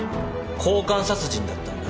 交換殺人だったんだ